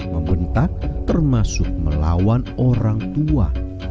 membentak termasuk melawan orang tua